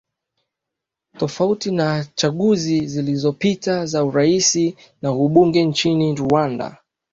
tofauti na chaguzi zilizopita za urais na ubunge nchini rwanda